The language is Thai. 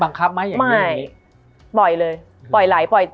มันทำให้ชีวิตผู้มันไปไม่รอด